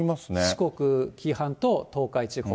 四国、紀伊半島、東海地方。